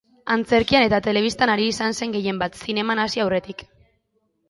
Antzerkian eta telebistan ari izan zen gehienbat, zineman hasi aurretik.